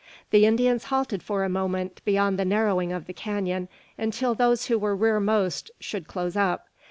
The Indians halted for a moment beyond the narrowing of the canon, until those who were rearmost should close up.